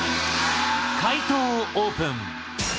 解答をオープン。